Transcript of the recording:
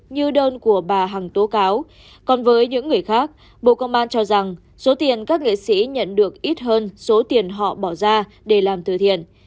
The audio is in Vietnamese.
như đơn của bà hằng tố cáo còn với những người khác bộ công an cho rằng số tiền các nghệ sĩ nhận được ít hơn số tiền họ bỏ ra để làm từ thiện